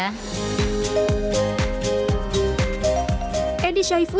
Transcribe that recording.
edi syaifudin penata rambut khusus balita yang sudah bekerja selama empat belas tahun